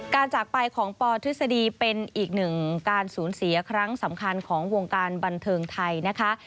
จากไปของปทฤษฎีเป็นอีกหนึ่งการสูญเสียครั้งสำคัญของวงการบันเทิงไทยนะคะ